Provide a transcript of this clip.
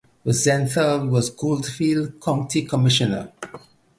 Rosenthal was Goldfield County commissioner.